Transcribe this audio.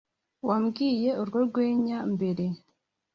wambwiye urwo rwenya mbere